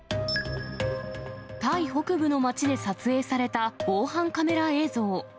タイ北部の町で撮影された防犯カメラ映像。